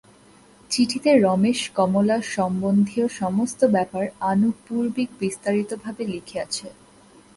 চিঠিতে রমেশ কমলা-সম্বন্ধীয় সমস্ত ব্যাপার আনুপূর্বিক বিস্তারিতভাবে লিখিয়াছে।